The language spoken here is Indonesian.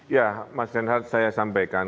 ya mas reinhardt saya sampaikan